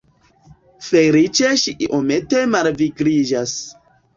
Feliĉe ŝi iomete malvigliĝas.